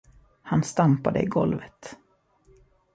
Han stampade i golvet.